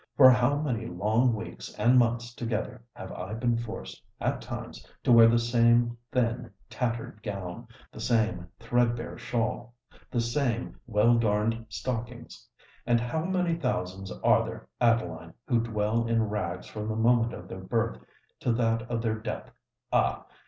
For how many long weeks and months together have I been forced, at times, to wear the same thin, tattered gown—the same threadbare shawl—the same well darned stockings! And how many thousands are there, Adeline, who dwell in rags from the moment of their birth to that of their death! Ah!